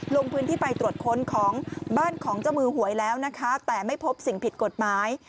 ลงพื้นที่ไปตรวจค้นของบ้านของเจ้ามือหวยแล้วนะคะแต่ไม่พบสิ่งผิดกฎหมาย